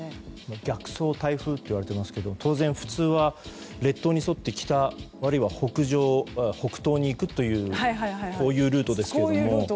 逆走台風といわれていますけど当然、普通は列島に沿って北あるいは北東に行くというルートですけども。